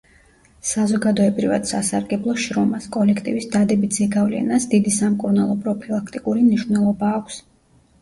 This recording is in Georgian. საზოგადოებრივად სასარგებლო შრომას, კოლექტივის დადებით ზეგავლენას დიდი სამკურნალო-პროფილაქტიკური მნიშვნელობა აქვს.